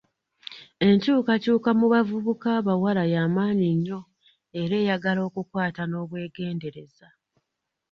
Enkyukakyuka mu bavubuka abawala yamaanyi nnyo era eyagala okukwata n'obwegendereza.